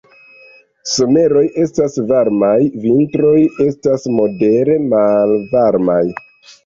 Someroj estas varmaj, vintroj estas modere malvarmaj.